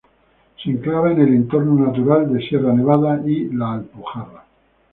Se enclava en el entorno natural de Sierra Nevada y la Alpujarra.